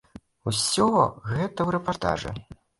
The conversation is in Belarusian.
Усё гэта ў рэпартажы.